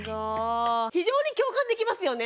非常に共感できますよね